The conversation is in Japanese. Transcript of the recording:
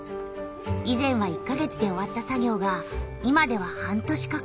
以前は１か月で終わった作業が今では半年かかる。